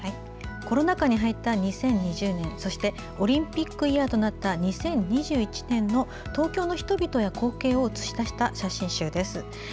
コロナ禍に入った２０２０年そしてオリンピックイヤーとなった２０２１年の東京の人々や光景を映し出した写真集です。